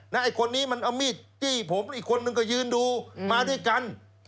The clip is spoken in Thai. ไอ้คนนี้มันเอามีดจี้ผมอีกคนนึงก็ยืนดูมาด้วยกัน